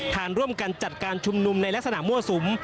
ฐานร่วมกันจัดการชุมนุมในลักษณะมั่วสุม